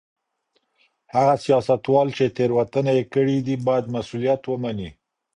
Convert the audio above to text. هغه سياستوال چي تېروتني يې کړې دي بايد مسؤليت ومني.